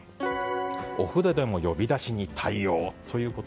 お風呂でも呼び出しに対応。